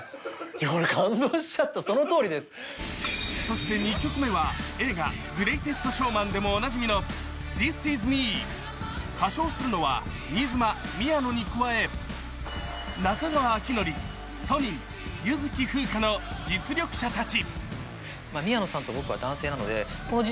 そして２曲目は、映画「グレイテストショーマン」でもおなじみの「ＴｈｉｓＩｓＭｅ」歌唱するのは新妻・宮野に加え中川晃教、ソニン、唯月ふうかの実力者たち。